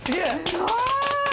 すごーい！